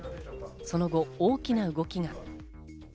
その後、大きな動きが。